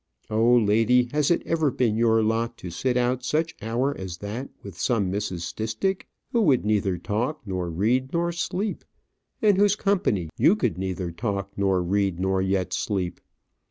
O, lady, has it ever been your lot to sit out such hour as that with some Mrs. Stistick, who would neither talk, nor read, nor sleep; in whose company you could neither talk, nor read, nor yet sleep?